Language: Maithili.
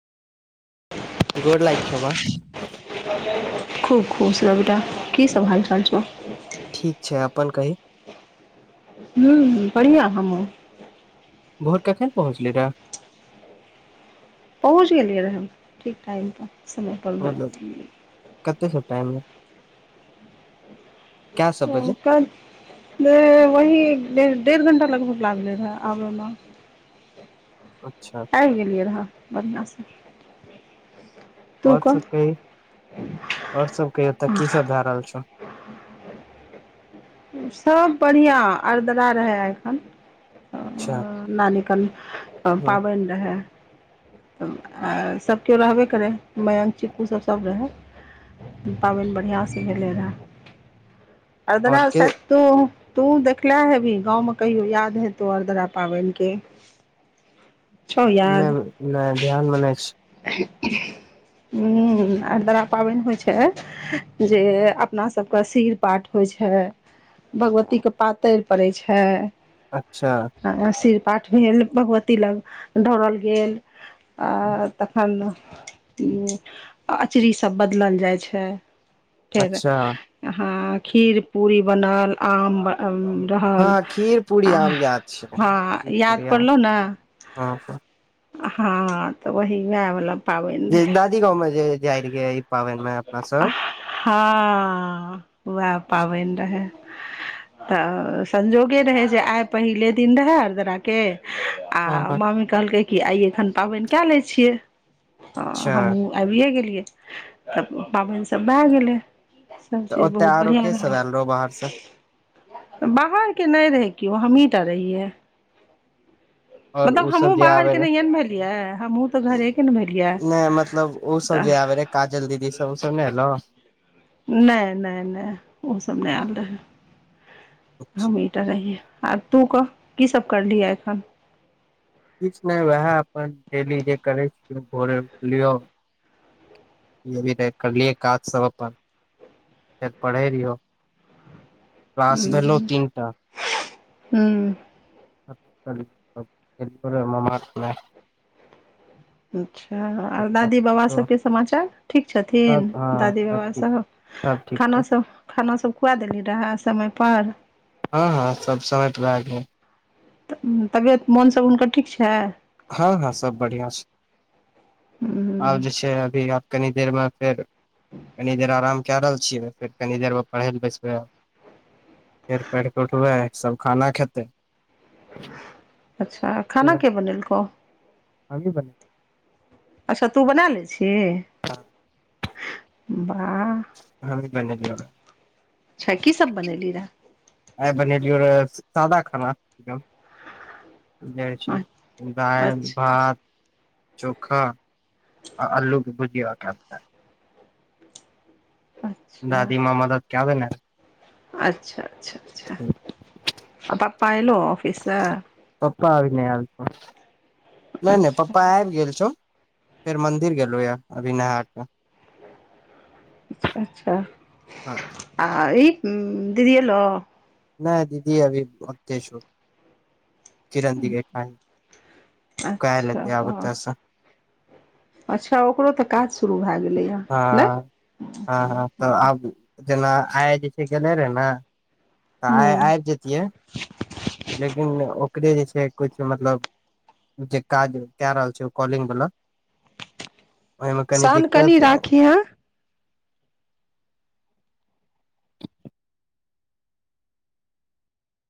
गोर लागै छियो माँ खूब खुश रह बेटा की सब हाल चाल छो ठीक छै अपन कहीं हूँ हूँ बढ़िया हमूँ घर कखन पहुँचलिहीं रहाए पहुँच गेलियै रहाए ठीक टाइमपर समयपर ब- मतलब कते सब टाइममे कै सब बजे [unintelligible] ले वही डेढ़ घण्टा लगभग लागलै रहाए आबमे अच्छा आइब गेलियै रहाए बढ़ियाँ सऽ आओर सबके कहियो आओर सबकहियो ओते की सब भए रहल छै सब बढ़ियाँ अराद्रा रहै आइ एखन अच्छा ए-अ नानीकन तऽ ह पाबनि रहै तऽ ऐं सभ केओ रहबे करै मंयक चिकु सभ सभ रहै पाबनि बढ़ियाँ से भेलै रहाए अदरा और के सब तो तू देखला हेबिहीं गाँंवमे कहियो याद हेतो अरद्रा पाबनिके छौ नहि नहि ध्यानमे नहि छै हुँ आरदरा पाबनि होइ छै जे अपना सबके सिर पाठ होइ छै भगवती के पातरि पड़ै छैय। अच्छा शिरपाठ भेल भगवती लग धोड़ल गेल आ तखन उ अँचरीसभ बदलल जाइ छैय फेर अच्छा हँ खीर पूरी बनल आम रहल हँ खीर पूरी आ आम याद छै हँ खीर याद पूरी आम पड़लहुँ न हँ हँ तऽ वही वएह वला पाबनि जे रहै दादी गाँवं जे जाइ रहियै ई पाबनि मे अपना सब हँ उएह पाबनि रहै तऽ संजोगे रहै जे आइ पहिले दिन रहय अदराके हँ आ हँ, मामी कहलकै क आइ एखन पाबनि क ले छीिये अच्छा हमहु आबिये गेलियै तब पाबनि सब भए गेलै सब तऽ चीज ओते बहुत आरो बढ़िया के सब रहले आयल रहो बाहर से बाहर के नहि रहे केओ हमहीं टा रहियै ओर ओ मतलब सब हमहूँ जे आबे बाहरके रहे नहिए ने भेलियै हमहूँ तऽ घरेके ने भेलियै नहि मतलब ओ सब तऽ जे आबे रहे काजल दीदी सब उसब नहि एलो नहि नहि नहि ओ सब नहि आयल रहै किछु हम ईटा रहियै आ तू कह की सब करलियहे एखन किछु नहि उएह अपन डेली जे करै छिय भोरे उठलियौ य भी त करलियै काज सब अपन पढ़ै रहियौ क्लास भेलहु तीनटा हुँ [unintelligible] खेल ममा मे अच्छा आर दादी बाबा सभके समाचार ठीक छथिन सब हँ दादी सब ठीक बाबासभ सब ठीक छैय। खाना सब खुआ देली रहै समय पर हाँ हाँ सब समट भए गेल तऽ तबियत मोन सब हुनकर ठीक छैय। हाँ हाँ सभ बढ़िआँ छैय। हुँ अब जेय छैय अभी कनी देर मे फेर कनी देर आराम कए रहल छियै फेर कनि देरमे पढ़ै लए बैसबै- फेर पढ़ कऽ उठबै ह सब खाना खेतै अच्छा खाना के बनेलको हमहि बनेलिया अच्छा तू बना लै छिय वाह हमी बनेलियै हन अच्छा की सब बनेली रहए आ बनेलियै रहै सादा खाना एकदम इ खाई छी दाइल अच्छा भात चोखा आ आलू के भुजीया अच्छा दादी माँ मदद कैदने रहै अच्छा अच्छा अच्छा आ पप्पा एयलहु ऑफिससँ पप्पा अभी नहि आल छौ नहि नहि अच्छा पप्पा आब गेल छौ। फेर मंदिर गेलो य अभी नहा क अच्छऽ अच्छऽ आ ई दीदी एलो नय दीदी अभी ओते छौ किरन दी ऐयठा ही कालइ अच्छा एतो आब ओतेसँ अच्छऽ ओकरो तऽ काज शुरू भए गेलै यऽ हँ - हँ हँ तऽ आब जना आइ जे छैय गेले रहे नऽ तऽ आ ह आइब जतियै लेकिन ओकरे जे छै किछु मतलब जे काज कए रहल छै ओ कॉलिंग वला ओहिमे कनी शान कनि दिक्कत राखिहे